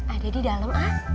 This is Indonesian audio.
ada di dalam ah